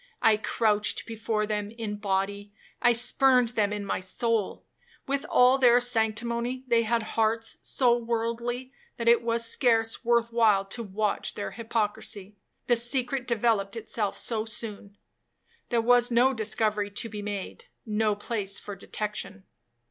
I crouched before them in body, I spurned them in my soul. With all their sanctimony, they had hearts so worldly, that it was scarce worth while to watch their hypocrisy, the secret developed itself so soon. There was no discovery to be made, no place for detection.